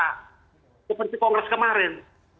seperti kongres kemarin